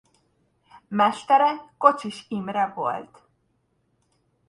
Mestere Kocsis Imre volt.